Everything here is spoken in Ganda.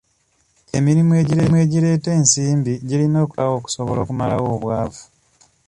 Emirimu egireeta ensimbi girina okuteekebwawo okusobola okumalawo obwavu.